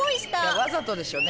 わざとでしょうね。